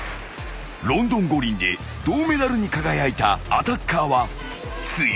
［ロンドン五輪で銅メダルに輝いたアタッカーは強気だ］